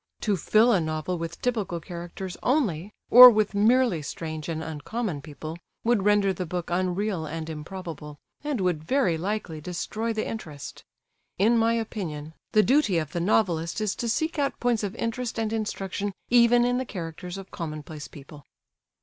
To fill a novel with typical characters only, or with merely strange and uncommon people, would render the book unreal and improbable, and would very likely destroy the interest. In my opinion, the duty of the novelist is to seek out points of interest and instruction even in the characters of commonplace people.